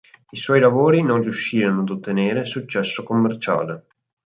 I suoi lavori non riuscirono ad ottenere successo commerciale.